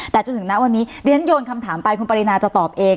แต่จนถึงณวันนี้เรียนโยนคำถามไปคุณปรินาจะตอบเอง